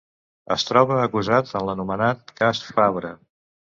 Es troba acusat en l'anomenat cas Fabra.